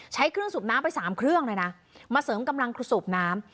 ใช้เครื่องสูบน้ำไปสามเครื่องเลยนะมาเสริมกำลังสูบน้ำ